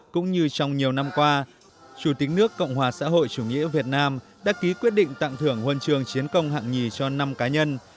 cũng như trong nhiều năm qua chủ tịch nước cộng hòa xã hội chủ nghĩa việt nam đã ký quyết định tặng thưởng huân trường chiến công hạng nhì cho năm cá nhân